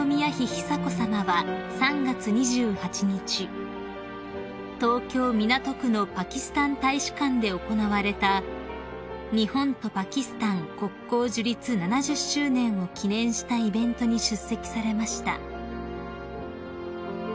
久子さまは３月２８日東京港区のパキスタン大使館で行われた日本とパキスタン国交樹立７０周年を記念したイベントに出席されました］